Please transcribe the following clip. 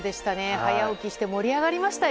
早起きして盛り上がりましたよ。